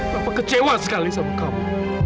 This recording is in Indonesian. bapak kecewa sekali sama kamu